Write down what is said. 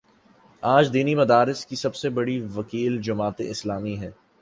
آج دینی مدارس کی سب سے بڑی وکیل جماعت اسلامی ہے۔